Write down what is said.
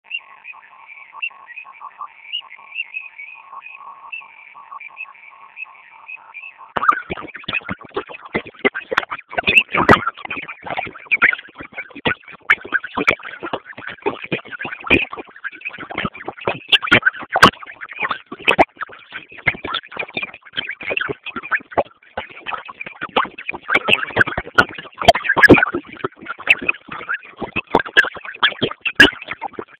په هر حال دا یوه کورنۍ جګړه وه.